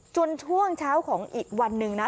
ช่วงเช้าของอีกวันหนึ่งนะ